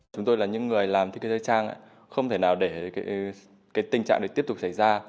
chúng tôi là những người làm thiết kế thời trang không thể nào để tình trạng này tiếp tục xảy ra